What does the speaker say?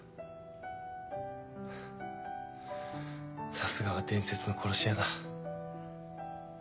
さすがは伝説の殺し屋だ。